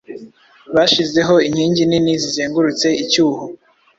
Bashizeho inkingi nini zizengurutse Icyuho